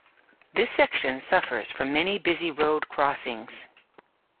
This section suffers from many busy road crossings.